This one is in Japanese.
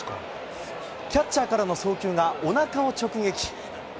キャッチャーからの送球がおなかを直撃。